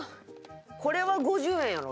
これは５０円やろ？